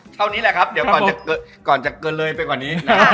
เท่านี้แหละครับเดี๋ยวก่อนจะเกินเลยไปกว่านี้